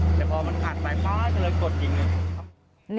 เดี๋ยวพอมันขัดไปจะเลยกดกินหนึ่ง